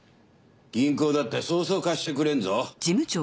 銀行だってそうそう貸してくれんぞ。